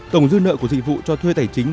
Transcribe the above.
tổng dư nợ của dịch vụ cho thuê tài chính